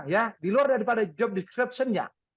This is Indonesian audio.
ya di luar daripada job declaption nya